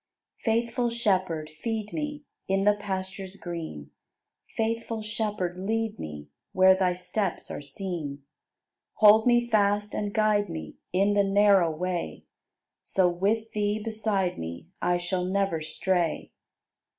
77. Faithful Shepherd, feed me In the pastures green; Faithful Shepherd, lead me Where Thy steps are seen. Hold me fast and guide me In the narrow way; So, with Thee beside me, I shall never stray.